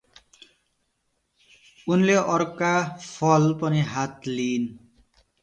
उनले अर्काे फल पनि हातमा लिइन् ।